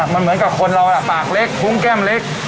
มันเหมือนกับคนเราปากเล็กคุ้งแก้มเล็ก